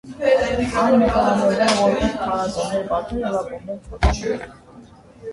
Այն նկարագրվել է որպես փառատոններ բացող և ակումբներ փակող երգ։